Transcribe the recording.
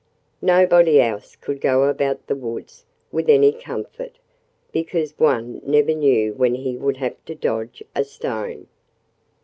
Nobody else could go about the woods with any comfort, because one never knew when he would have to dodge a stone.